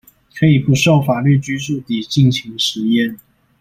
可以不受法律拘束地盡情實驗